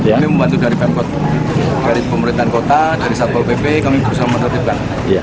kami membantu dari pemerintahan kota dari satpol pp kami berusaha menertibkan